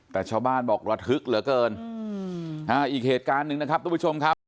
แต่ชาวบ้านบอกระทึกเหลือเกินอีกเหตุการณ์หนึ่งนะครับทุกผู้ชมครับ